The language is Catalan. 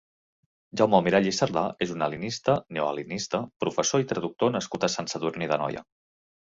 Jaume Almirall i Sardà és un hel·lenista, neohel·lenista, professor i traductor nascut a Sant Sadurní d'Anoia.